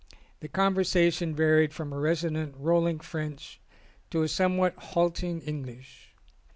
The conversation varied from a resonant, rolling French to a somewhat halting English.